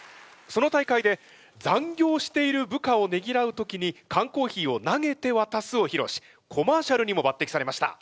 その大会で「残業している部下をねぎらう時に缶コーヒーを投げてわたす」をひろうしコマーシャルにもばってきされました。